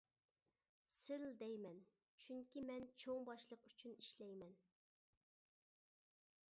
«سىل» دەيمەن، چۈنكى، مەن چوڭ باشلىق ئۈچۈن ئىشلەيمەن.